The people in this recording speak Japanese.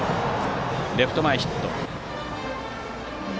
レフト前ヒット。